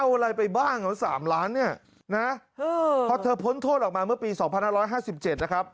เอาอะไรไปบ้างเหรอ๓ล้านเนี่ยนะพอเธอพ้นโทษออกมาเมื่อปี๒๕๕๗นะครับ